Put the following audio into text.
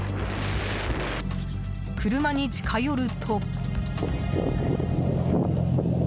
車に近寄ると。